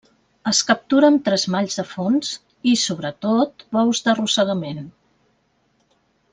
Es captura amb tresmalls de fons i, sobretot, bous d'arrossegament.